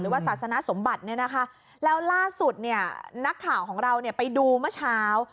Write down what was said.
ศาสนสมบัติเนี่ยนะคะแล้วล่าสุดเนี่ยนักข่าวของเราเนี่ยไปดูเมื่อเช้า